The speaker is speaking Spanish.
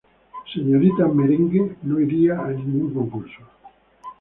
Señorita Merengue no iria a ningún concurso.